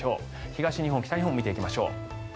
東日本、北日本を見ていきましょう。